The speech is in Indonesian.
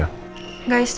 guys kita harus pergi